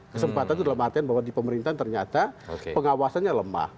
kesempatan itu dalam artian bahwa di pemerintahan ternyata pengawasannya lemah